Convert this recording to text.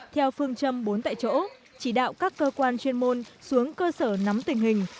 theo phương châm bốn tại chỗ chỉ đạo các cơ quan chuyên môn xuống cơ sở nắm tình hình